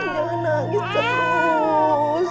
jangan nangis cerdas